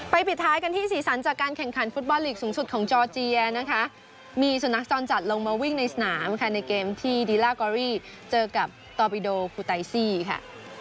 ปิดท้ายกันที่สีสันจากการแข่งขันฟุตบอลลีกสูงสุดของจอร์เจียนะคะมีสุนัขจรจัดลงมาวิ่งในสนามค่ะในเกมที่ดีล่ากอรี่เจอกับตอบิโดคูไตซี่ค่ะ